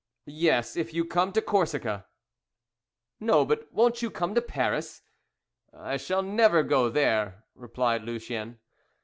"Yes, if you come to Corsica." "No, but won't you come to Paris?" "I shall never go there," replied Lucien.